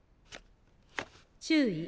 注意！